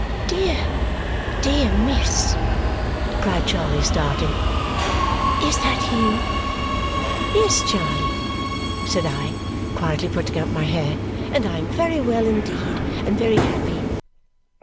"Dear, dear, miss!" cried Charley, starting. "Is that you?" "Yes, Charley," said I, quietly putting up my hair. "And I am very well indeed, and very happy."